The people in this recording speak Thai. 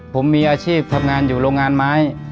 ผมมีอาชีพทำงานอยู่โรงงานไม้